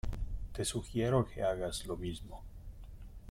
te sugiero que hagas lo mismo.